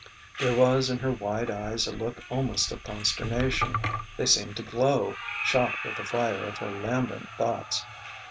There was in her wide eyes a look almost of consternation; they seemed to glow, shot with the fire of her lambent thoughts.